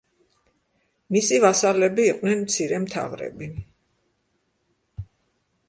მისი ვასალები იყვნენ მცირე მთავრები.